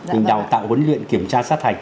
mình đào tạo huấn luyện kiểm tra sát hành